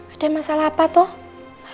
ada masalah apa tuh